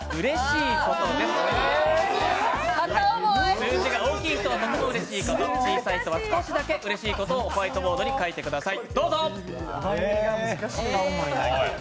数字が大きい人はとてもうれしいことを、小さい人は少しだけうれしいことをホワイトボードに書いてください。